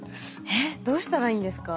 えっどうしたらいいんですか？